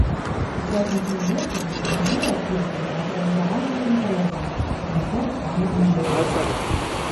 У пятніцу ўвечары ў музеі адбудзецца тэатралізаваная імпрэза і канцэрт камернай музыкі.